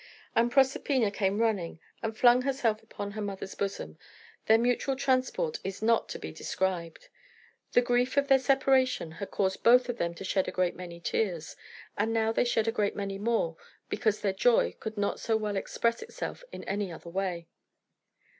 And Proserpina came running, and flung herself upon her mother's bosom. Their mutual transport is not to be described. The grief of their separation had caused both of them to shed a great many tears; and now they shed a great many more, because their joy could not so well express itself in any other way.